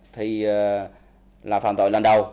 thì là phạm tội lần đầu